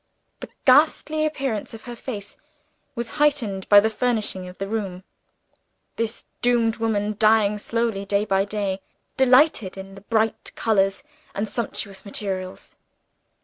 The ghastly appearance of her face was heightened by the furnishing of the room. This doomed woman, dying slowly day by day, delighted in bright colors and sumptuous materials.